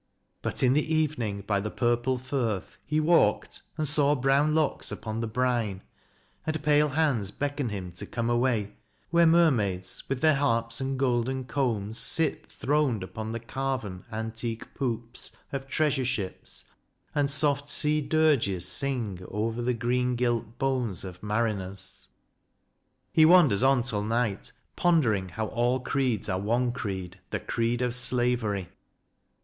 But in the evening by the purple firth He walked and saw brown locks upon the brine, And pale hands beckon him to come away, Where Mermaids, with their harps and golden combs Sit throned upon the carven, antique poops Of treasure ships, and soft sea dirges sing Over the green gilt bones of mariners. He wanders on till night, pondering how all creeds 198 CRITICAL STUDIES are one creed the creed of slavery.